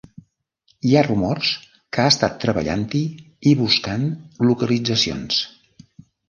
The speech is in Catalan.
Hi ha rumors que ha estat treballant-hi i buscant localitzacions.